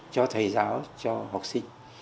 cho thầy giáo cho học sinh